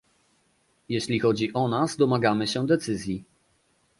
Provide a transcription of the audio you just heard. Jeśli chodzi o nas, domagamy się decyzji